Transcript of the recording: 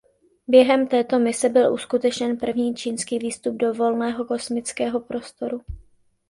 Během této mise byl uskutečněn první čínský výstup do volného kosmického prostoru.